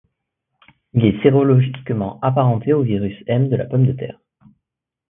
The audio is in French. Il est sérologiquement apparenté au virus M de la pomme de terre.